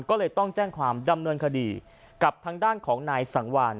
ก็เลยต้องแจ้งความดำเนินคดีกับทางด้านของนายสังวาน